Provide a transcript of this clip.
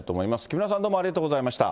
木村さん、どうもありがとうございました。